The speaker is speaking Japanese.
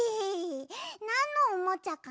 なんのおもちゃかな？